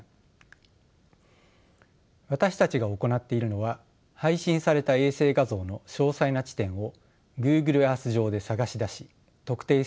私たちが行っているのは配信された衛星画像の詳細な地点をＧｏｏｇｌｅＥａｒｔｈ上で探し出し特定することです。